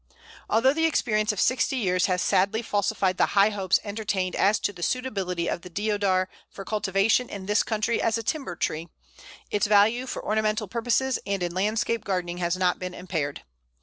Although the experience of sixty years has sadly falsified the high hopes entertained as to the suitability of the Deodar for cultivation in this country as a timber tree, its value for ornamental purposes and in landscape gardening has not been impaired.